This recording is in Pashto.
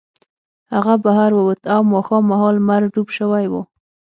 هغه بهر ووت او ماښام مهال لمر ډوب شوی و